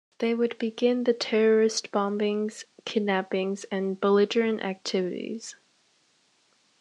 They would begin the terrorist bombings, kidnappings and belligerent activities.